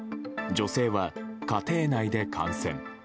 女性は家庭内で感染。